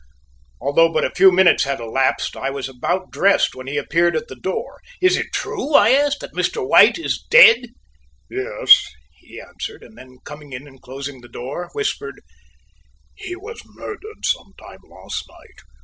Although but a few minutes had elapsed, I was about dressed when he appeared at the door. "Is it true," I asked, "that Mr. White is dead?" "Yes," he answered, and then coming in and closing the door, whispered: "He was murdered some time last night.